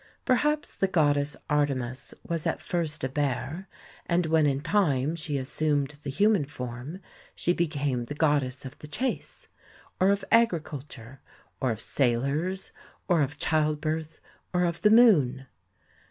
Perhaps the goddess Artemis was at first a bear, and when in time she assumed the human form, she became the goddess of the chase, or of agriculture, or of sailors, or of childbirth, or of the moon.